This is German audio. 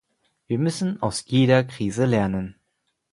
Wir müssen aus jeder Krise lernen.